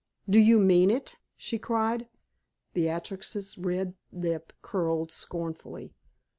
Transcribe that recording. "Do you mean it?" she cried. Beatrix's red lip curled scornfully.